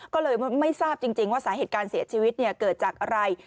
ก็เลยไม่ทราบจริงว่าสาเหตุการเสียชีวิตเกิดจากอะไร